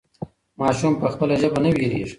ماشوم په خپله ژبه نه وېرېږي.